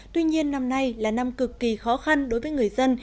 tuy nhiên năm nay là năm cực kỳ khó khăn đối với người dân